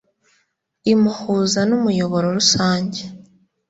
imuhuza n’ umuyoboro rusange .